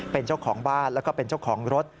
เป็นเจ้าของบ้านแล้วก็เป็นเจ้าของรถ